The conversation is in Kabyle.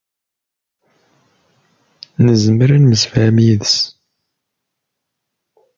Nezmer ad nemsefham yid-s.